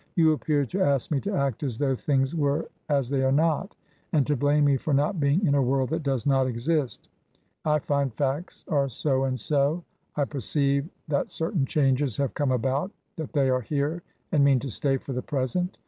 " You appear to ask me to act as though things were as they are not, and to blame me for not being in a world that does not exist I find facts are so and so ; I perceive that certain changes have come about — that they are here and mean to stay for the present.